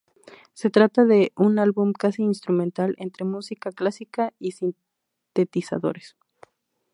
Se trata de un álbum casi instrumental, entre música clásica y sintetizadores.